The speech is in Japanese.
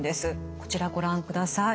こちらご覧ください。